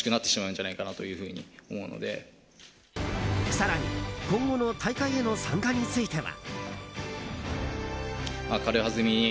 更に、今後の大会への参加については。